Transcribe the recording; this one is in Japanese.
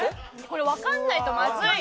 これわかんないとまずい。